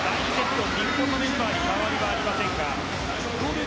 日本のメンバーに変わりはありませんが。